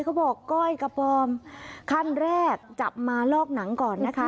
บอกก้อยกระปอมขั้นแรกจับมาลอกหนังก่อนนะคะ